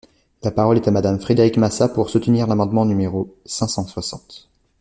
La parole est à Madame Frédérique Massat, pour soutenir l’amendement numéro cinq cent soixante.